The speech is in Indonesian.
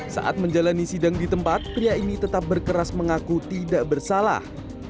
saat menjalani sidang di tempat pria ini tetap berkeras mengaku tidak bersalah